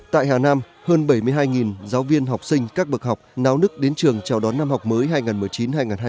tại hà nam hơn bảy mươi hai giáo viên học sinh các bậc học náo nức đến trường chào đón năm học mới hai nghìn một mươi chín hai nghìn hai mươi